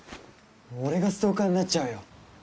俺がストーカーになっちゃうよ。